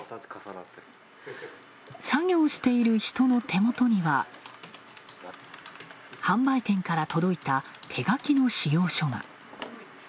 作業している人の手元には、販売店から届いた手書きの仕様書が。